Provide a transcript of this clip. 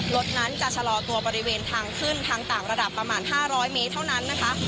รถนั้นจะชะลอตัวบริเวณทางขึ้นทางต่างระดับประมาณ๕๐๐เมตรเท่านั้นนะคะ